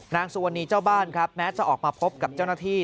นางสุวรรณีเจ้าบ้านครับแม้จะออกมาพบกับเจ้าหน้าที่